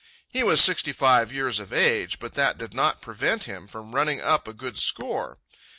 He was sixty five years of age, but that did not prevent him from running up a good score.